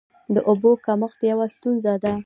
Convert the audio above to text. د اوبو کمښت یوه ستونزه ده.